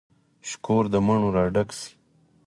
شکور د مڼو را ډک شي